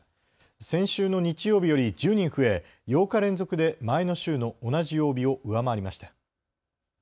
先週の日曜日より１０人増え、８日連続で前の週の同じ曜日を上回りました。